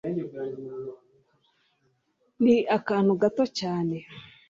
Ni akantu gato cyane